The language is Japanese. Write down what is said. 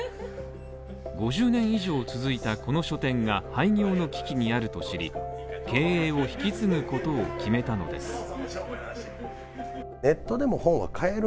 ５０年以上続いたこの書店が廃業の危機にあると知り、経営を引き継ぐことを決めたのです